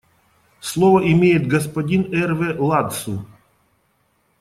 Слово имеет господин Эрве Ладсу.